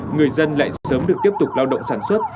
người dân lại sớm được tiếp tục lao động sản xuất